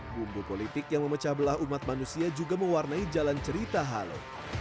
bumbu politik yang memecah belah umat manusia juga mewarnai jalan cerita halo